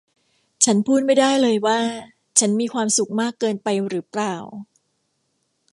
ฉันพูดไม่ได้เลยว่าฉันมีความสุขมากเกินไปหรือเปล่า